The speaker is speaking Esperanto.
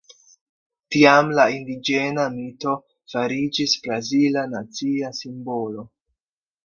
Tiam la indiĝena mito fariĝis brazila nacia simbolo.